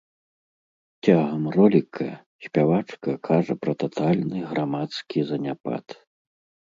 Цягам роліка спявачка кажа пра татальны грамадскі заняпад.